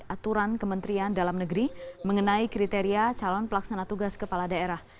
aturan kementerian dalam negeri mengenai kriteria calon pelaksana tugas kepala daerah